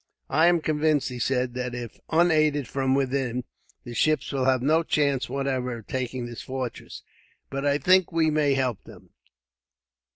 "I am convinced," he said, "that if unaided from within, the ships will have no chance whatever of taking this fortress; but I think that we may help them.